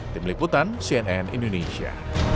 tim liputan cnn indonesia